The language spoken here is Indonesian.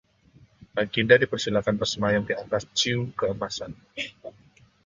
Baginda dipersilakan bersemayam di atas ciu keemasan